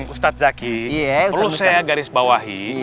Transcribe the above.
ustadz zaki perlu saya garis bawahi